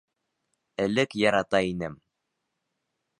Элек ярата инем.